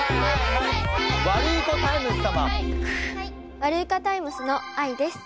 ワルイコタイムスのあいです。